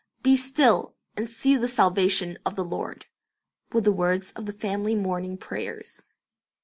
"Be still, and see the salvation of the Lord," were the words of the family morning prayers.